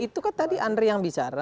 itu kan tadi andre yang bicara